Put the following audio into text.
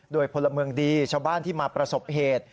โดยพลเมืองดีชาวบ้านที่มาประสบเหตุ